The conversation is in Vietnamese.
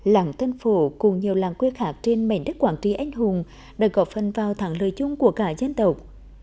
làng tân phổ cùng nhiều làng quê khác trên mảnh đất quản trí anh hùng đã gọt phân vào thẳng lời chung của cả dân tộc